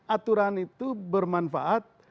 aturan itu bermanfaat